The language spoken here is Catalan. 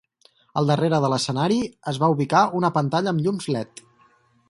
Al darrere de l'escenari, es va ubicar una pantalla amb llums led.